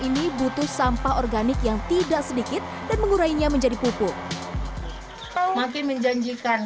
ini butuh sampah organik yang tidak sedikit dan mengurainya menjadi pupuk makin menjanjikan